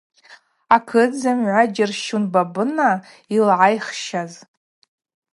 Акыт зымгӏва йджьарщун Бабына йылгӏайхщаз.